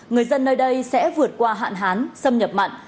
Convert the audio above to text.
người dân nơi đây sẽ vượt qua hạn hán xâm nhập mặn